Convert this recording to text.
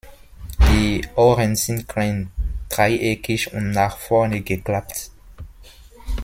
Die Ohren sind klein, dreieckig und nach vorne geklappt.